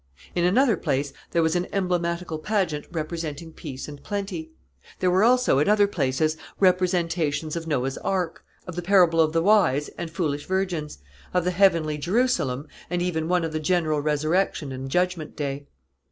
In another place there was an emblematical pageant representing peace and plenty. There were also, at other places, representations of Noah's ark, of the parable of the wise and foolish virgins, of the heavenly Jerusalem, and even one of the general resurrection and judgment day.